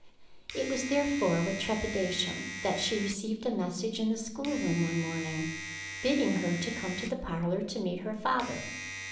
It was therefore with trepidation that she received a message in the school room one morning, bidding her come to the parlor to meet her father.